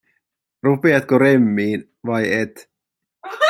Rupeatko remmiin, vai et?